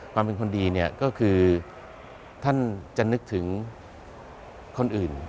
ความเป็นคนดีก็คือท่านจะนึกถึงคนอื่น